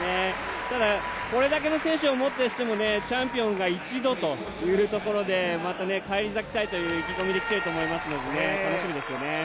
これだけの選手を持ってしても、チャンピオンが一度というところで返り咲きたいという意気込みできていると思いますので楽しみですよね。